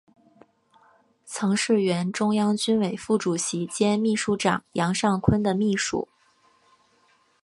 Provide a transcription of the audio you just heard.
曾是原中央军委副主席兼秘书长杨尚昆的秘书。